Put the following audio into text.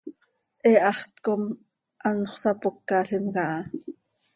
He haxt com anxö sapócalim caha.